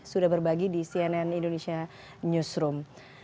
sudah berbagi di cnn indonesia newsroom